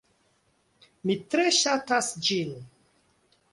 Mi tre ŝatas ĝin.